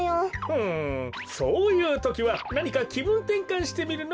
ふむそういうときはなにかきぶんてんかんしてみるのもいいダロ。